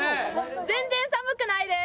全然寒くないです！